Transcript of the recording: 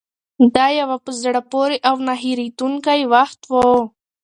دا یو په زړه پورې او نه هېرېدونکی وخت و.